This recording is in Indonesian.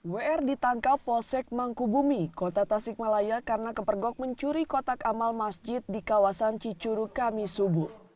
wr ditangkap polsek mangkubumi kota tasikmalaya karena kepergok mencuri kotak amal masjid di kawasan cicuru kami subuh